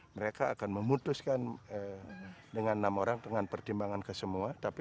mereka akan memutuskan dengan enam orang dengan pertimbangan ke semua